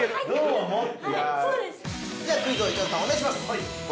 ◆クイズ王・伊沢さん、お願いします。